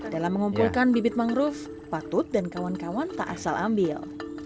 dalam mengumpulkan bibit mangrove patut dan kawan kawan tak asal ambil